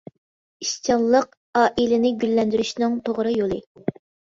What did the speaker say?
ئىشچانلىق : ئائىلىنى گۈللەندۈرۈشنىڭ توغرا يولى.